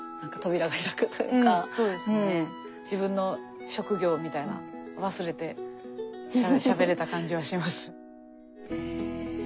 自分の職業みたいなの忘れてしゃべれた感じはします。